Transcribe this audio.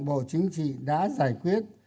bộ chính trị đã giải quyết